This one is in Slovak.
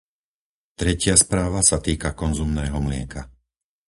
Tretia správa sa týka konzumného mlieka.